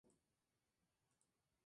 Así se fueron al descanso.